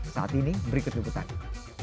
saat ini berikut kebutuhan